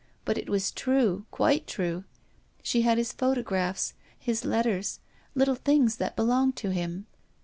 But it was true, quite true. She had his photographs, his letters, little things that belonged to him.